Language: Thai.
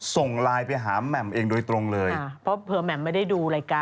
ส่งไลน์ไปหาแหม่มเองโดยตรงเลยค่ะเพราะเผลอแหม่มไม่ได้ดูรายการ